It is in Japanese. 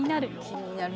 気になる。